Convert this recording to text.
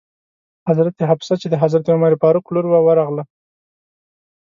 حضرت حفصه چې د حضرت عمر فاروق لور وه ورغله.